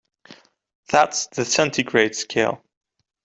That's the centigrade scale.